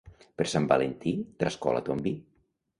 Per Sant Valentí trascola ton vi.